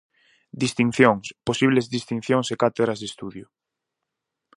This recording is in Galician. Distincións, posibles distincións e cátedras de estudio.